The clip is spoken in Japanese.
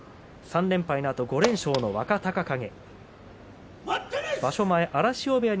３連敗のあと５連勝の若隆景。